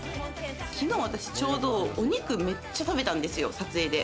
きのう私ちょうど、お肉めっちゃ食べたんですよ、撮影で。